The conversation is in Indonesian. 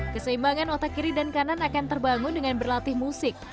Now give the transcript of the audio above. keseimbangan otak kiri dan kanan akan terbangun dengan berlatih musik